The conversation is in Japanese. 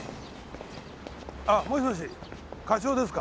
あもしもし課長ですか？